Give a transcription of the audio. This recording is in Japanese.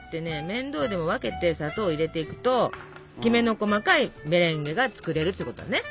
面倒でも分けて砂糖を入れていくときめの細かいメレンゲが作れるってことね。